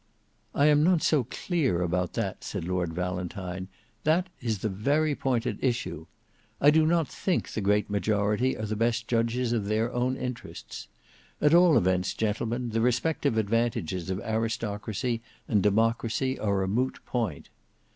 "I am not so clear about that," said Lord Valentine; "that is the very point at issue. I do not think the great majority are the best judges of their own interests. At all events, gentlemen, the respective advantages of aristocracy and democracy are a moot point.